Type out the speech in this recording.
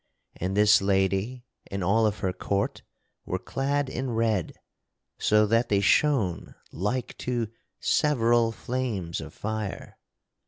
And this lady and all of her court were clad in red so that they shone like to several flames of fire.